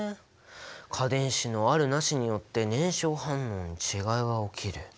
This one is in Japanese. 価電子のあるなしによって燃焼反応に違いが起きる。